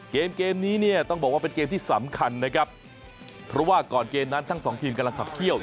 เกมเกมนี้เนี่ยต้องบอกว่าเป็นเกมที่สำคัญนะครับเพราะว่าก่อนเกมนั้นทั้งสองทีมกำลังขับเขี้ยว